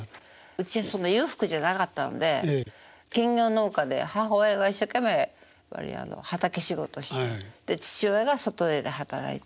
うちはそんな裕福じゃなかったんで兼業農家で母親が一生懸命畑仕事してで父親が外で働いて。